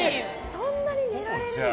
そんなに寝られるんだ。